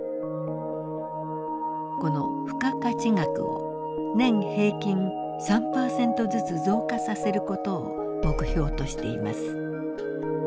この付加価値額を年平均３％ずつ増加させることを目標としています。